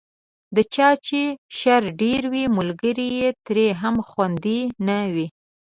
د چا چې شر ډېر وي، ملګری یې ترې هم خوندي نه وي.